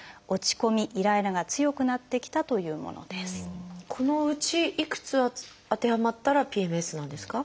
上からこのうちいくつ当てはまったらＰＭＳなんですか？